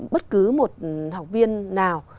bất cứ một học viên nào